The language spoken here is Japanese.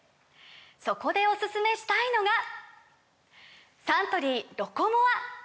そこでおすすめしたいのがサントリー「ロコモア」！